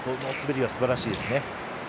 その滑りはすばらしいですね。